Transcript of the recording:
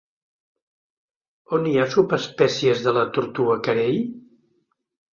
On hi ha subespècies de la tortuga carei?